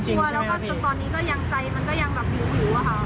กลัวจริงใช่ไหมฮาวนี้ก็ยังใจมันก็ยังแบบหริวอะคะ